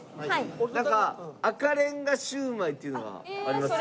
なんか赤レンガシウマイっていうのがありますよ。